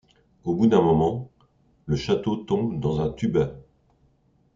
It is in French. Au bout d'un moment, le chapeau tombe dans un tuba.